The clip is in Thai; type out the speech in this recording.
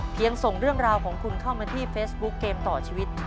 ส่งเรื่องราวของคุณเข้ามาที่เฟซบุ๊คเกมต่อชีวิต